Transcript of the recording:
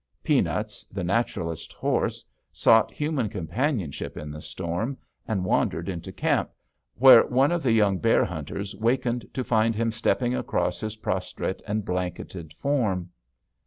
Peanuts, the naturalist's horse, sought human companionship in the storm, and wandered into camp, where one of the young bear hunters wakened to find him stepping across his prostrate and blanketed form.